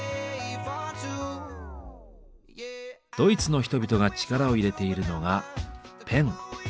ドイツの人々が力を入れているのがペン。